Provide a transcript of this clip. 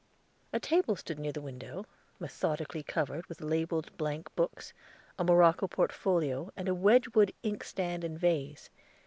A table stood near the window, methodically covered with labelled blank books, a morocco portfolio, and a Wedgewood inkstand and vase.